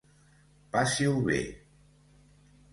Passi-ho-b